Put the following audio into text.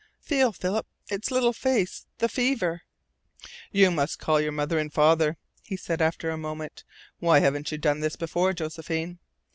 "Feel, Philip its little face the fever " "You must call your mother and father," he said after a moment. "Why haven't you done this before, Josephine?"